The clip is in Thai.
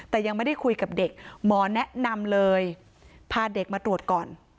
แต่ยังไม่ได้คุยกับเด็กหมอแนะนำเลยพาเด็กมาตรวจก่อน